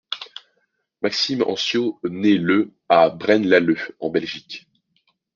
Maxime Anciaux naît le à Braine-l'Alleud en Belgique.